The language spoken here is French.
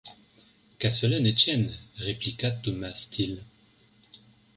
Qu’à cela ne tienne, répliqua Thomas Steel.